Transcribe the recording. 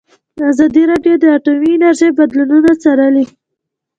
ازادي راډیو د اټومي انرژي بدلونونه څارلي.